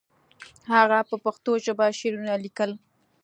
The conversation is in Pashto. هغه په پښتو ژبه شعرونه لیکل.